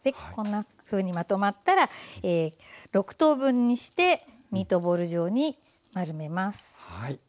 こんなふうにまとまったら６等分にしてミートボール状に丸めます。